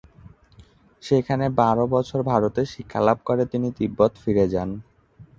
সেখানে বারো বছর ভারতে শিক্ষালাভ করে তিনি তিব্বত ফিরে যান।